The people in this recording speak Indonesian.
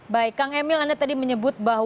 baik kang emil anda tadi menyebut bahwa kota bandung